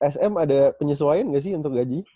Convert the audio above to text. sm ada penyesuaian nggak sih untuk gaji